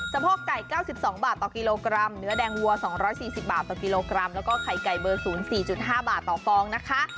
โพกไก่๙๒บาทต่อกิโลกรัมเนื้อแดงวัว๒๔๐บาทต่อกิโลกรัมแล้วก็ไข่ไก่เบอร์๐๔๕บาทต่อฟองนะคะ